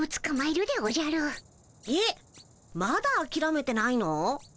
えっまだあきらめてないの？